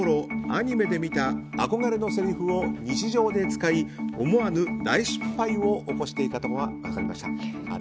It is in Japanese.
アニメで見た憧れのせりふを日常で使い、思わぬ大失敗を起こしていたことが分かりました。